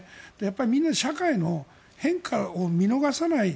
みんな、社会の変化を見逃さない